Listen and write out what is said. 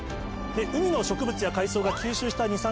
海の植物や海藻が吸収した二酸化炭素